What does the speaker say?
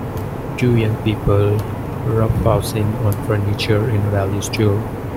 Two young people roughhousing on furniture in a value store.